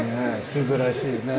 すばらしいね。